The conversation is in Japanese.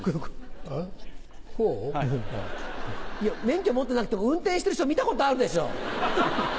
免許持ってなくても運転してる人見たことあるでしょ。